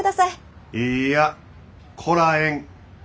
いいやこらえん。